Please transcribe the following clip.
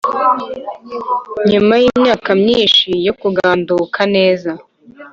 nyuma yimyaka myinshi yo kuganduka neza,